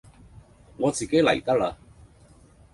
我自己嚟得喇